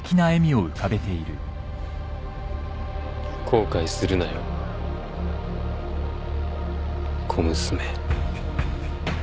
後悔するなよ小娘。